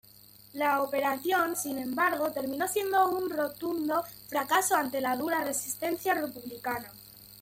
La operación, sin embargo, terminó siendo un rotundo fracaso ante la dura resistencia republicana.